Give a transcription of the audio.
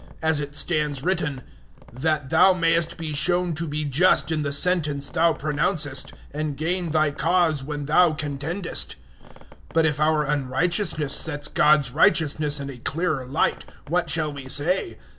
As it stands written, "That Thou mayest be shown to be just in the sentence Thou pronouncest, and gain Thy cause when Thou contendest." 003:005 But if our unrighteousness sets God's righteousness in a clearer light, what shall we say?